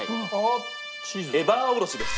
エバーおろしです。